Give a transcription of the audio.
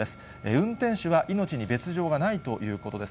運転手は命に別状はないということです。